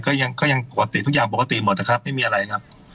ก็ยังก็ยังปกติทุกอย่างปกติหมดนะครับไม่มีอะไรครับ